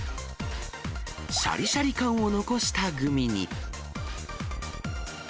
しゃりしゃり感を残したグミに。